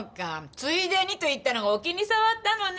ついでにと言ったのがお気に障ったのね。